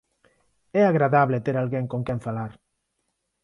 É agradable ter alguén con quen falar.